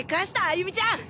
歩美ちゃん！